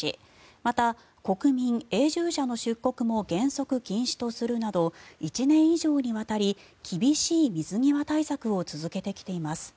また、国民・永住者の出国も原則禁止とするなど１年以上にわたり厳しい水際対策を続けてきています。